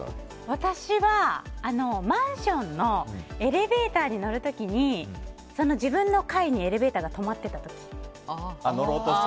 私は、マンションのエレベーターに乗る時に自分の階にエレベーターが止まっていた時。